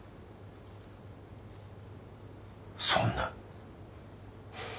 そんな。